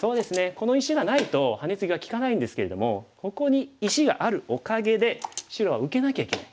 この石がないとハネツギが利かないんですけれどもここに石があるおかげで白は受けなきゃいけない。